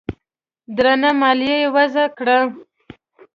درنه مالیه یې وضعه کړه